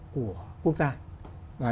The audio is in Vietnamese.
của quốc gia